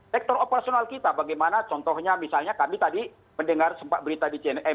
sektor operasional kita bagaimana contohnya misalnya kami tadi mendengar sempat berita di cnn